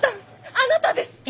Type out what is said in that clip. あなたです！